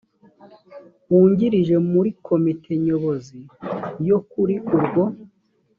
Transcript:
wungirije muri komite nyobozi yo kuri urwo